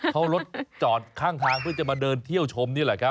เขารถจอดข้างทางเพื่อจะมาเดินเที่ยวชมนี่แหละครับ